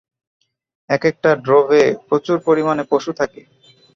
একেকটা ড্রোভে প্রচুর পরিমানে পশু থাকে।